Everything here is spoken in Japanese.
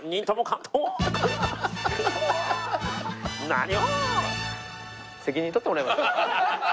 何を！